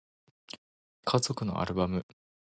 家族のアルバム